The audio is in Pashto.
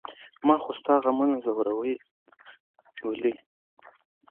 ماخو ستا غمونه ځوروي ګلي